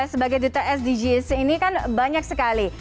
sebagai duta sdgs ini kan banyak sekali